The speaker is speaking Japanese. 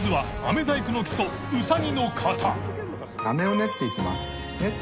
飴を練っていきます。